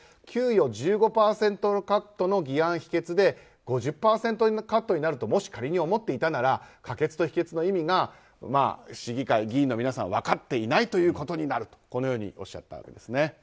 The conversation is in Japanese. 給与１５％カットの議案否決で５０％カットになるともし仮に思っていたなら可決と否決の意味が市議会議員の皆さん分かっていないということになるこのようにおっしゃっています。